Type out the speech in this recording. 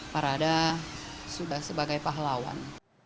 parada sudah sebagai pahlawan